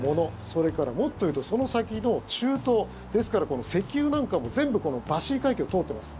それから、もっと言うとその先の中東ですから、石油なんかも全部このバシー海峡を通っています。